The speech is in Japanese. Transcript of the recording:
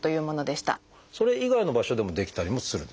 それ以外の場所でも出来たりもするんですか？